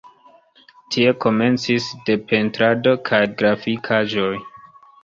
Tie komencis de pentrado kaj grafikaĵoj.